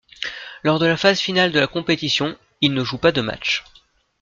Lors de la phase finale de la compétition, il ne joue pas de matchs.